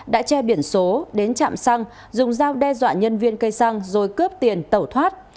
đã che biển số đến trạm xăng dùng dao đe dọa nhân viên cây xăng rồi cướp tiền tẩu thoát